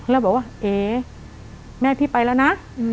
แล้วบอกว่าเอ๊แม่พี่ไปแล้วนะ